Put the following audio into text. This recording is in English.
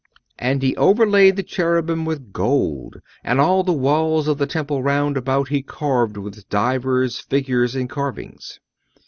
"And he overlaid the cherubim with gold. And all the walls of the temple round about he carved with divers figures and carvings."